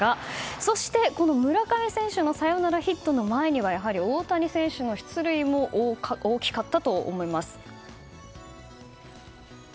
そして、この村上選手のサヨナラヒットの前にはやはり大谷選手の出塁も大きかったと思います。